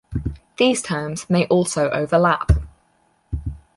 These terms may also overlap.